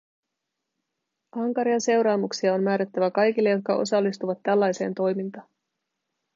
Ankaria seuraamuksia on määrättävä kaikille, jotka osallistuvat tällaiseen toimintaan.